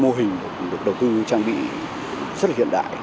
chương trình được đầu tư trang bị rất hiện đại